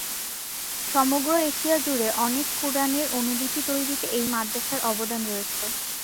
সমগ্র এশিয়া জুড়ে অনেক কুরআনের অনুলিপি তৈরিতে এই মাদ্রাসার অবদান রয়েছে।